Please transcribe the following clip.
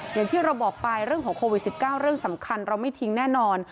อย่างที่เราบอกไปเรื่องของโควิด๑๙เรื่องสำคัญเราไม่ทิ้งแน่นอน